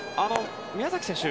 宮崎選手